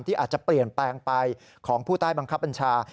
ที่อาจจะเปลี่ยนแปลงไปของผู้ใต้บังคับบัญชา